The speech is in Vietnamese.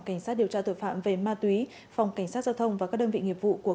cảnh sát điều tra tội phạm về ma túy phòng cảnh sát giao thông và các đơn vị nghiệp vụ của